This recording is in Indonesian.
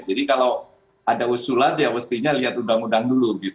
jadi kalau ada usulat ya pastinya lihat undang undang dulu